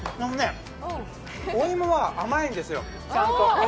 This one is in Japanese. お芋は甘いんですよ、ちゃんと。